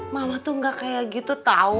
mama tuh gak kayak gitu tau